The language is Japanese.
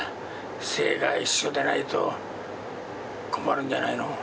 姓が一緒でないと困るんじゃないの？